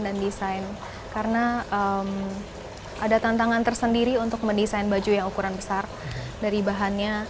desain karena ada tantangan tersendiri untuk mendesain baju yang ukuran besar dari bahannya